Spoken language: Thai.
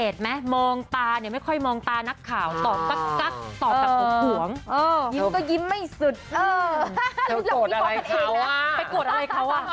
สังเกตไหมมองตาเนี่ย